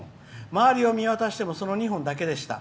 周りを見渡してみてもその２本だけでした。